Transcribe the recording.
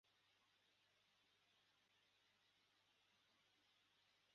akarara amajoro asukura icyocyezo